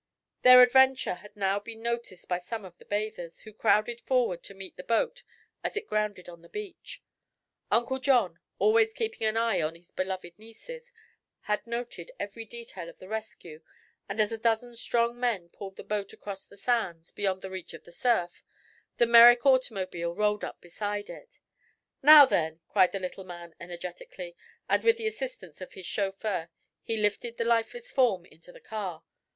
Their adventure had now been noticed by some of the bathers, who crowded forward to meet the boat as it grounded on the beach. Uncle John, always keeping an eye on his beloved nieces, had noted every detail of the rescue and as a dozen strong men pulled the boat across the sands, beyond the reach of the surf, the Merrick automobile rolled up beside it. "Now, then!" cried the little man energetically, and with the assistance of his chauffeur he lifted the lifeless form into the car.